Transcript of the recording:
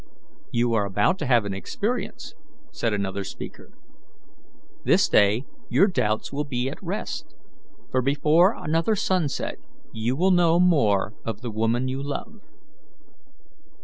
"You are about to have an experience," said another speaker. "This day your doubts will be at rest, for before another sunset you will know more of the woman you love."